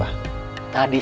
tadi saya ketahuan